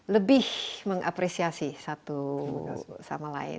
lebih mengapresiasi satu sama lain